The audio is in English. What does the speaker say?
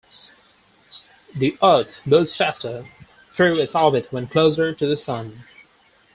The earth moves faster through its orbit when closer to the sun.